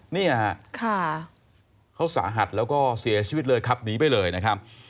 เนี่ยฮะเขาสาหัสแล้วก็เสียชีวิตเลยขับหนีไปเลยนะครับ